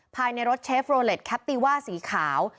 ภายในรถเชฟโรเล็ตแคปติว่าสีขาว